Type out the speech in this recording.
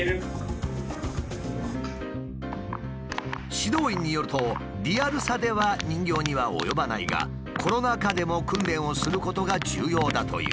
指導員によるとリアルさでは人形には及ばないがコロナ禍でも訓練をすることが重要だという。